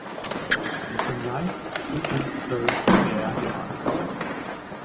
ligesom jeg, Du veed, hvad der er det Rette!